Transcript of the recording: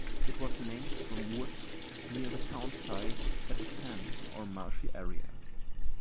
It was named from woods near the townsite at a fen, or marshy area.